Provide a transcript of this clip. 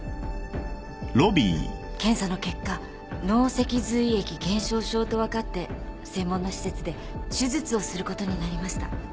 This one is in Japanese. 検査の結果脳脊髄液減少症と分かって専門の施設で手術をすることになりました。